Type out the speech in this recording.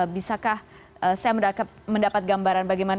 bisakah saya mendapat gambaran